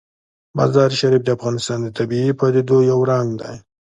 مزارشریف د افغانستان د طبیعي پدیدو یو رنګ دی.